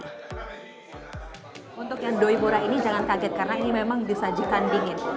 untuk yang doi pura ini jangan kaget karena ini memang disajikan dingin